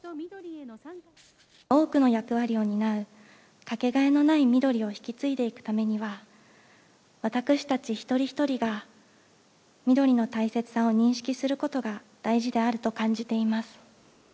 多くの役割を担う掛けがえのないみどりを引き継いでいくためには、私たち一人一人が、みどりの大切さを認識することが大事であると感じています。